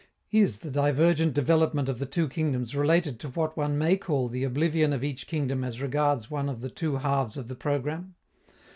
Is the divergent development of the two kingdoms related to what one may call the oblivion of each kingdom as regards one of the two halves of the programme?